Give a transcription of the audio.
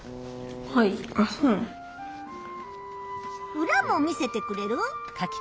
うらも見せてくれる？